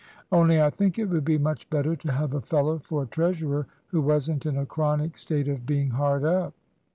Only I think it would be much better to have a fellow for treasurer who wasn't in a chronic state of being hard up."